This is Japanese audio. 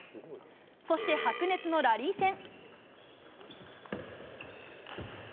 そして、白熱のラリー戦。